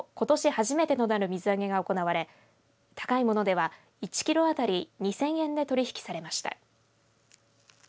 初めてとなる水揚げが行われ高いものでは１キロ当たり２０００円で取り引きされました。